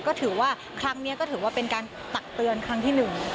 ก็ถือว่าครั้งนี้ก็ถือว่าเป็นการตักเตือนครั้งที่หนึ่ง